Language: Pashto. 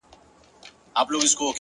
پرمختګ له روښانه موخو ځواک اخلي,